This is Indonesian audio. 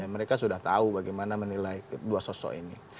mereka sudah tahu bagaimana menilai dua sosok ini